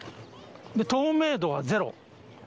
で、透明度はゼロ。